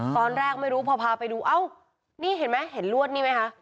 ตอนแรกไม่รู้พอพาไปดูเอ้านี่เห็นไหมเห็นลวดนี่ไหมคะ